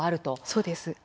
そうです。